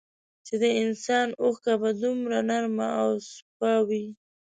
چي د انسان اوښکه به دومره نرمه او سپا وې